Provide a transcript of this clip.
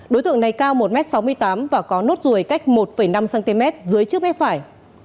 đối tượng này cao một m sáu mươi tám và có nốt ruồi cách một năm cm dưới trước mép phải